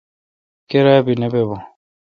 کیرا بی نہ با بو۔